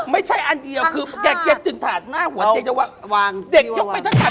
ไม่ใช่อันเดียวคือเกล็ดถาดหน้าหัวเด็กยกไปทั้งถาด